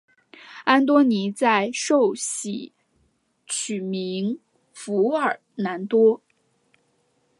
安多尼在受洗取名福尔南多。